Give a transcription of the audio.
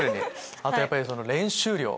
あとやっぱり練習量。